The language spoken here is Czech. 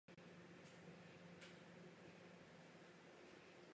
Ve výuce škola navazuje na Jednotu bratrskou i na názory Jana Amose Komenského.